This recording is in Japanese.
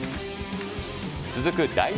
続く第２